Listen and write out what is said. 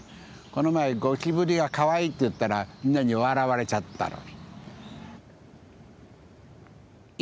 この前ゴキブリは「かわいい」って言ったらみんなに笑われちゃったの。